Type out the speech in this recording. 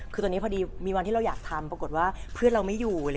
คือตอนนี้พอดีมีวันที่เราอยากทำปรากฏว่าเพื่อนเราไม่อยู่